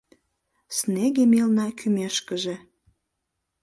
Снеге мелна кӱмешкыже